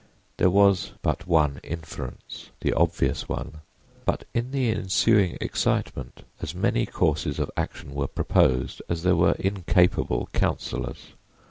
There was but one inference—the obvious one; but in the ensuing excitement as many courses of action were proposed as there were incapable counselors.